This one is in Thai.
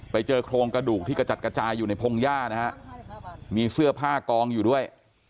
ไปเจอโครงกระดูกที่กระจัดกระจายอยู่ในพงหญ้านะฮะมีเสื้อผ้ากองอยู่ด้วย